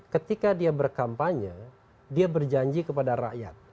ketika dia berkampanye dia berjanji kepada rakyat